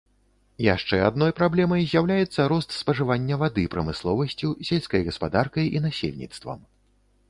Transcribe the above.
Яшчэ адной праблемай з'яўляецца рост спажывання вады прамысловасцю, сельскай гаспадаркай і насельніцтвам.